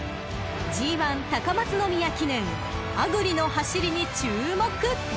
［ＧⅠ高松宮記念アグリの走りに注目！］